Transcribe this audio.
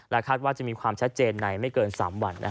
คาดว่าจะมีความชัดเจนในไม่เกิน๓วัน